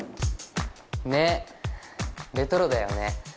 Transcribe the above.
ねっレトロだよね。